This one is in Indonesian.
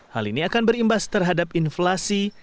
hal ini akan berimbas terhadap inflasi